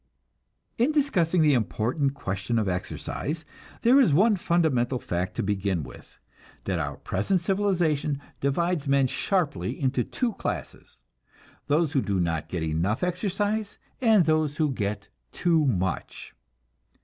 In discussing the important question of exercise, there is one fundamental fact to begin with: that our present civilization divides men sharply into two classes, those who do not get enough exercise, and those who get too much.